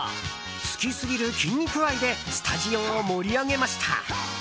好きすぎる筋肉愛でスタジオを盛り上げました。